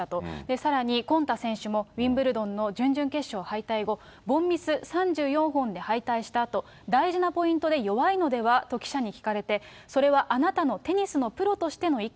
さらにコンタ選手もウィンブルドンの準々決勝敗退後、凡ミス３４本で敗退したあと、大事なポイントで弱いのでは？と記者に聞かれて、それはあなたのテニスのプロとしての意見？